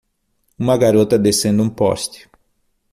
Uma garota descendo um poste